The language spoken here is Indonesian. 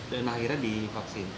dan akhirnya divaksin